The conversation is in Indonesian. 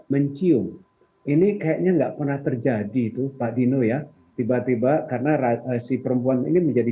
mencium ini kayaknya enggak pernah terjadi itu pak dino ya tiba tiba karena si perempuan ini menjadi